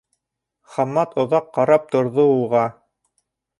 Хаммат оҙаҡ ҡарап торҙо уға.